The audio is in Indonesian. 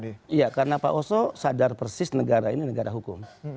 iya karena pak oso sadar persis negara ini negara hukum